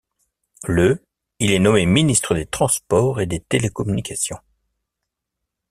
Le il est nommé ministre des Transports et des Télécommunications.